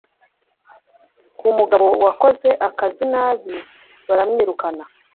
kumugabo wakoze akazi nabi baramwirukana